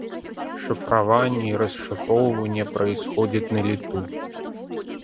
Шифрование и расшифрование происходит «на лету»